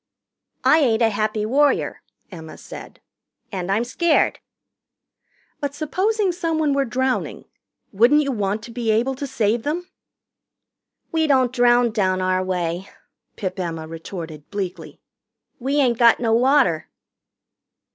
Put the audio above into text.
"I ain't a Happy Warrior," Emma said. "And I'm scared." "But supposing someone were drowning, wouldn't you want to be able to save them?" "We don't drown down our way," Pip Emma retorted bleakly. "We ain't got no water."